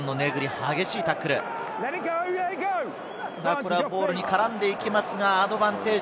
これはボールに絡んでいきますがアドバンテージ。